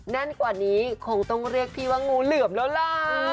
แน่นกว่านี้คงต้องเรียกพี่ว่างูเหลือมแล้วล่ะ